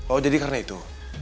oh jadi karena itu